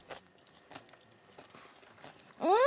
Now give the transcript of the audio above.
うん！